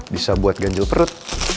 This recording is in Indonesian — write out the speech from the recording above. bisa buat ganjol perut